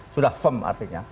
sudah firm artinya